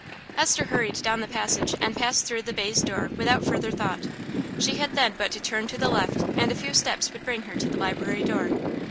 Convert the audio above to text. Esther hurried down the passage and passed through the baize door without further thought. She had then but to turn to the left and a few steps would bring her to the library door.